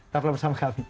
sampai bersama kami